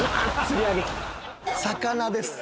魚です。